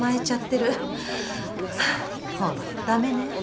ホント駄目ね。